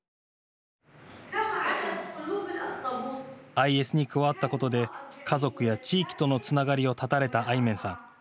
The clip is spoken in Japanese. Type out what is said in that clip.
ＩＳに加わったことで家族や地域とのつながりを絶たれたアイメンさん。